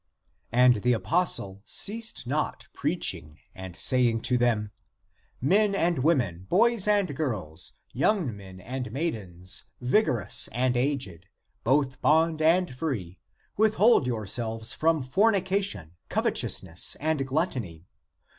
And the apostle ceased not preaching and saying to them, " Men and women, boys and girls, young men and maidens, vigorous and aged, both bond and free, withhold yourselves from fornica tion, covetousness, and gluttony.